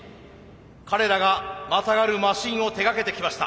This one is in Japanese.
彼らがまたがるマシンを手がけてきました。